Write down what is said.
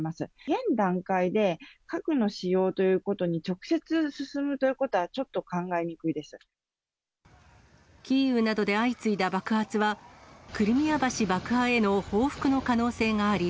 現段階で核の使用ということに直接進むということはちょっと考えキーウなどで相次いだ爆発は、クリミア橋爆破への報復の可能性があり、